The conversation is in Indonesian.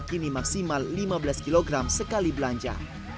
kini maksimal lima belas kg sekali belanja